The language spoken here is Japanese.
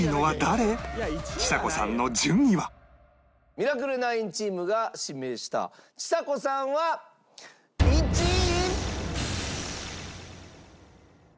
ミラクル９チームが指名したちさ子さんは１位。